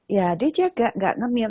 ya dia jaga gak ngemil